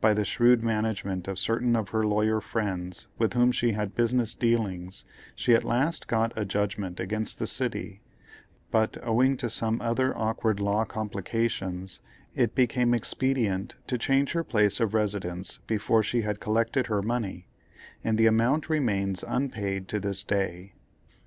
By the shrewd management of certain of her lawyer friends with whom she had business dealings, she at last got a judgment against the city, but, owing to some other awkward law complications, it became expedient to change her place of residence before she had collected her money, and the amount remains unpaid to this day.